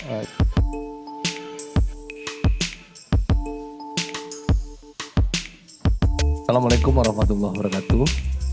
assalamualaikum warahmatullahi wabarakatuh